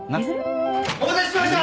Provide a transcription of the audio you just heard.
お待たせしました！